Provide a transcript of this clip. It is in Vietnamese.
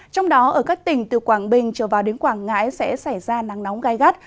trong đó ở các tỉnh từ quảng bình trở vào đến quảng ngãi sẽ xảy ra nắng nóng gai gắt